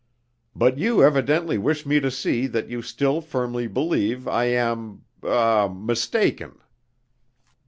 But you evidently wish me to see that you still firmly believe I am er mistaken.